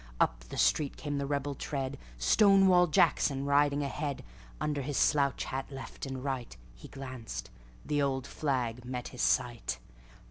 Up the street came the rebel tread, Stonewall Jackson riding ahead. Under his slouched hat left and rightHe glanced: the old flag met his sight.